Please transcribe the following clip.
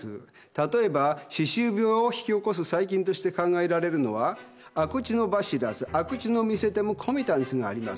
例えば歯周病を引き起こす細菌として考えられるのはアクチノバシラス・アクチノミセテムコミタンスがあります。